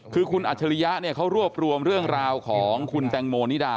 คือคุณอัจฉริยะเนี่ยเขารวบรวมเรื่องราวของคุณแตงโมนิดา